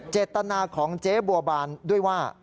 เจตนาของเจ๊บัวบานด้วยว่า